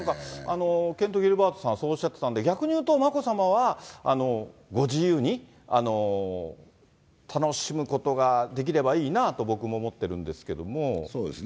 ケント・ギルバートさんはそうおっしゃってたんで、逆に言うと、眞子さまは、ご自由に、楽しむことができればいいなと、そうですね。